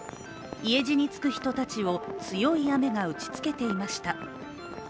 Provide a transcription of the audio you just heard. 家路につく人たちを強い雨が打ち付けていました。